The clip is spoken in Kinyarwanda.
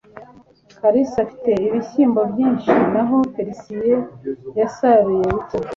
kalisa afite ibishyimbo byinshi naho félicien yasaruye bike